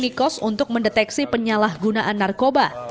ketua penghuni kos untuk mendeteksi penyalahgunaan narkoba